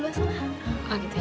oh gitu ya